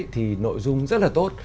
thì nội dung rất là tốt